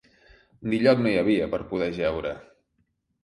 Ni lloc no hi havia per poder jeure